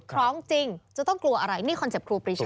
ร้องจริงจะต้องกลัวอะไรนี่คอนเซ็ปต์ครูปรีชา